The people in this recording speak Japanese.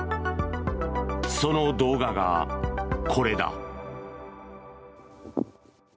その動画がこれだ。